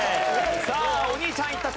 さあお兄ちゃんいった！